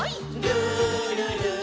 「るるる」